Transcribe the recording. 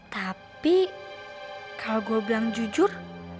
tapi kalau gue bilang jujur